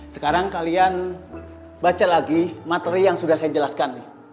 sekarang kalian baca lagi materi yang sudah saya jelaskan